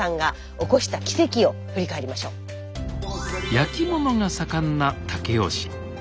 やきものが盛んな武雄市。